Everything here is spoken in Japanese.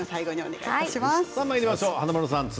続いてまいりましょう。